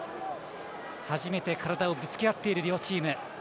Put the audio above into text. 初めて体をぶつけ合っている両チーム。